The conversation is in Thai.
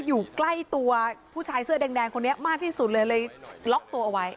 อยู่ใกล้ตัวผู้ชายเสื้อแดงคนนี้มากที่สุดเลยเลยล็อกตัวเอาไว้